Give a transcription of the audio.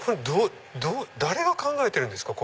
誰が考えてるんですか？